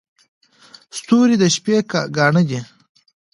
• ستوري د شپې ګاڼه وي.